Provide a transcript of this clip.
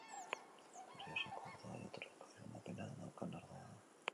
Errioxako ardoa jatorrizko izendapena daukan ardoa da.